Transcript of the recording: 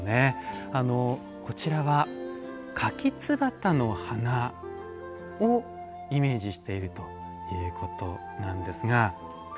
こちらはカキツバタの花をイメージしているということなんですが。